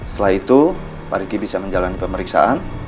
setelah itu pak riki bisa menjalani pemeriksaan